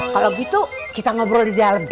kalau gitu kita ngobrol di dalam